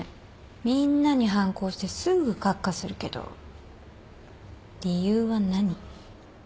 みんなに反抗してすぐかっかするけど理由は何？